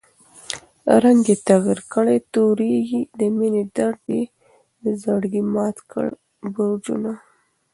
رنګ ئې تغير کړی تورېږي، دمېنی درد ئې دزړګي مات کړل برجونه